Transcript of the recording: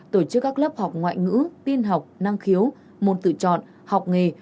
tổ chức các lớp học ngoại ngữ tin học năng khiếu môn tự chọn học nghề